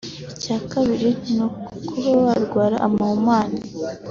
Icya kabiri ni ukuba warwara amahumane